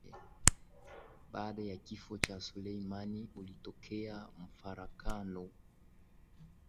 Baada ya kifo cha Suleimani ulitokea mfarakano